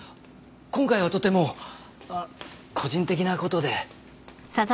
今回はとても個人的な事で。